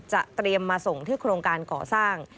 จะเตรียมส่งมาที่โครงการข้อสร้าง